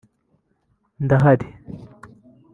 Ndahari